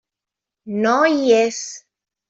No hi és.